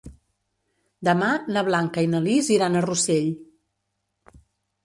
Demà na Blanca i na Lis iran a Rossell.